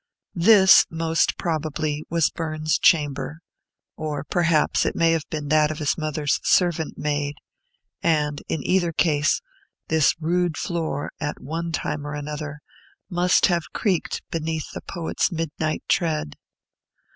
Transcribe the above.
This, most probably, was Burns's chamber; or, perhaps, it may have been that of his mother's servant maid; and, in either case, this rude floor, at one time or another, must have creaked beneath the poet's midnight tread.